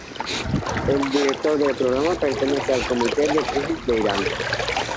El director del programa pertenece al comité de crisis de Irán